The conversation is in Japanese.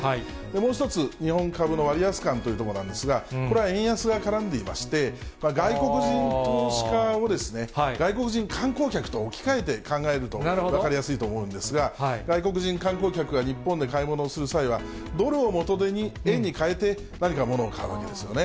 もう一つ、日本株の割安感というところなんですが、これは円安が絡んでいまして、外国人投資家をですね、外国人観光客と置き換えて考えると分かりやすいと思うんですが、外国人観光客が日本で買い物をする際は、ドルを元手に円に換えて、何かものを買うわけですよね。